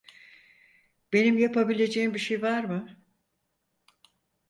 Benim yapabileceğim bir şey var mı?